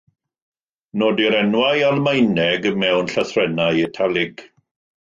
Nodir enwau Almaeneg mewn llythrennau "italig".